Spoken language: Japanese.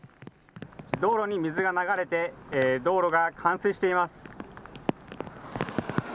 道路に水が流れて道路が冠水しています。